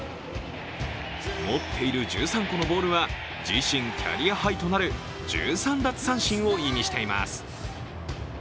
持っている１３個のボールは自身キャリアハイとなる１３奪三振を意味しています。